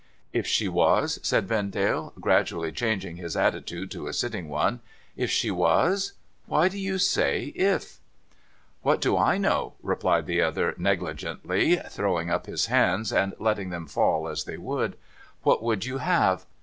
' If she was ?' said Vendale, gradually changing his attitude to a sitting one. ' If she was ? Why do you say " if "?'* What do I know ?' replied the other negligently, throwing up his hands and letting them fall as they would. ' What would you have